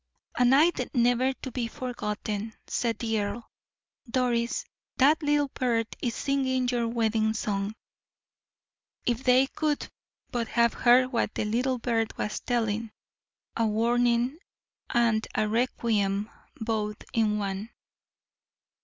"A night never to be forgotten," said the earl. "Doris, that little bird is singing your wedding song." If they could but have heard what the little bird was telling a warning and a requiem both in one.